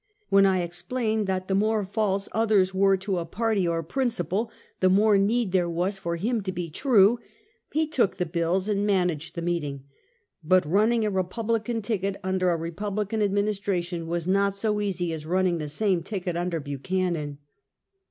When I explained that the more false others were The Rebellion. 213 to a party or principle, the more need there was for him to be true, he took the bills and managed the meeting; but running a Kepublican ticket under a Republican administration was not so easy as running the same ticket under Buchanan.